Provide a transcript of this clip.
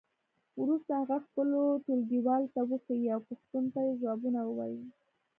وروسته هغه خپلو ټولګیوالو ته وښیئ او پوښتنو ته یې ځوابونه ووایئ.